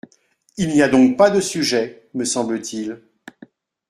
Il n’y a donc pas de sujet, me semble-t-il.